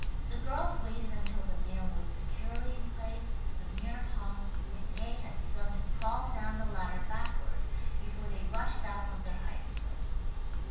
The girls waited until the nail was securely in place, the mirror hung and Gay had begun to crawl down the ladder backward, before they rushed out from their hiding place.